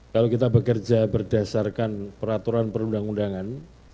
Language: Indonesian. kalau kita bekerja berdasarkan peraturan perundang undangan